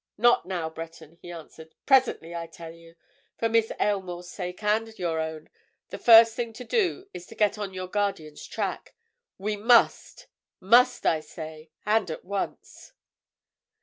"Not now, Breton," he answered. "Presently, I tell you, for Miss Aylmore's sake, and your own, the first thing to do is to get on your guardian's track. We must—must, I say!—and at once."